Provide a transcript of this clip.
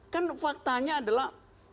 kan faktanya adalah